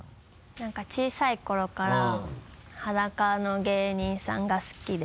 なんか小さい頃から裸の芸人さんが好きで。